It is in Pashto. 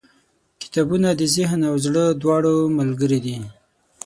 • کتابونه د ذهن او زړه دواړو ملګري دي.